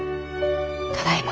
ただいま。